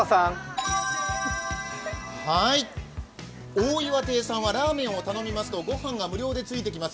大岩亭さんはラーメンを頼みますと御飯が無料でついてきます。